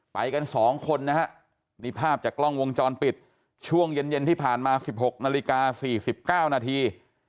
ไปกัน๒คนนะฮะนี่ภาพจากกล้องวงจรปิดช่วงเย็นที่ผ่านมา๑๖นาฬิกา๔๙นาที